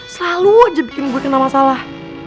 selalu aja bikin gua kena masalah